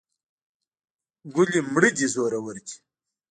ګلې مړې دې زورور دي.